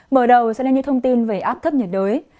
mở đầu sẽ là những thông tin về áp thấp nhiệt đới